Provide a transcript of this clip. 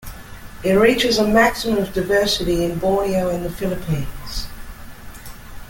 It reaches a maximum of diversity in Borneo and the Philippines.